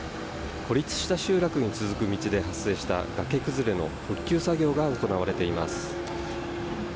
孤立した集落へ続く道で発生した崖崩れの復旧作業が行われています。